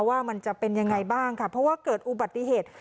ว่ามันจะเป็นยังไงบ้างค่ะเพราะว่าเกิดอุบัติเหตุ